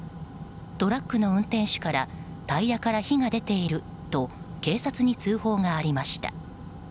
トラックの運転手からタイヤから火が出ていると警察に通報がありました。